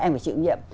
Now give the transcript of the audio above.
anh phải chịu nhiệm